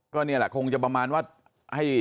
ก็นี่แหละคงจะประมาณว่า